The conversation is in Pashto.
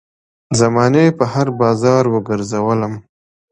زمانې په هـــــر بازار وګرځــــــــــولم